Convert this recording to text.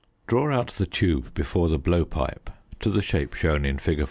Draw out the tube before the blowpipe to the shape shown in fig.